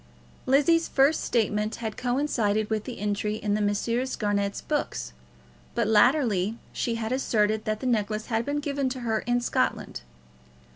Lizzie's first statement had coincided with this entry in the Messrs. Garnett's books; but latterly she had asserted that the necklace had been given to her in Scotland.